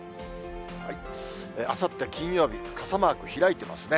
あさって金曜日、傘マーク開いてますね。